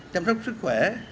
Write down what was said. chăm sóc sức khỏe